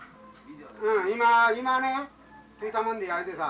うん今今ね着いたもんで焼津さ。